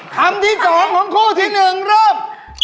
คำที่สองของครูที่หนึ่งเริ่ม